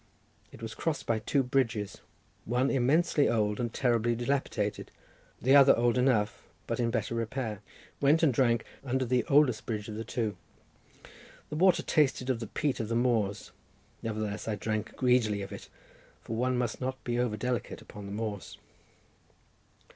It was crossed by two bridges, one immensely old and terribly dilapidated, the other old enough, but in better repair—went and drank under the oldest bridge of the two. The water tasted of the peat of the moors, nevertheless I drank greedily of it, for one must not be over delicate upon the moors.